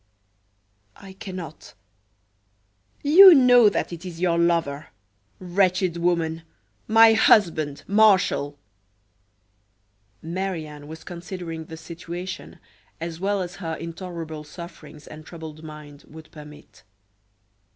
"I cannot!" "You know that it is your lover! wretched woman my husband, Martial!" Marie Anne was considering the situation as well as her intolerable sufferings and troubled mind would permit.